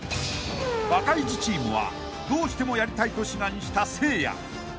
［バカイジチームはどうしてもやりたいと志願した］